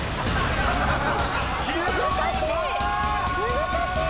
難しい！